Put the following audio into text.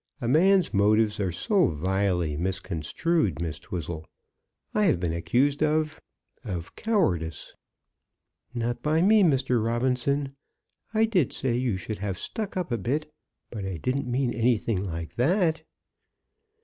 A man's motives are so vilely misconstrued, Miss Twizzle. I have been accused of of cowardice." "Not by me, Mr. Robinson. I did say you should have stuck up a bit; but I didn't mean anything like that."